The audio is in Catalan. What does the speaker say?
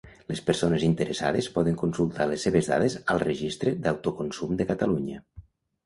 Les persones interessades poden consultar les seves dades al Registre d'Autoconsum de Catalunya.